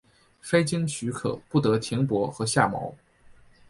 非经许可不得停泊和下锚。